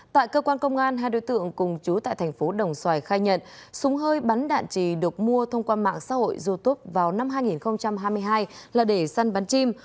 tại cơ quan công an hai đối tượng cùng chú tại thành phố đồng xoài khai nhận súng hơi bắn đạn trì được mua thông qua mạng xã hội youtube vào năm hai nghìn hai mươi hai là để săn bắn chim